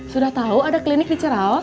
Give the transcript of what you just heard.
sudah tau ada klinik di ceral